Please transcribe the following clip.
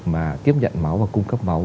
cái việc mà tiếp nhận máu và cung cấp máu